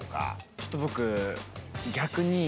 ちょっと僕、逆に。